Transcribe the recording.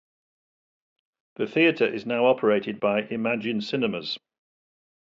This theatre is now operated by Imagine Cinemas.